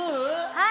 はい。